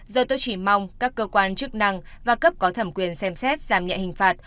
giờ tôi chỉ mong các cơ quan chức năng và cấp có thẩm quyền xem xét giảm nhẹ hình phạt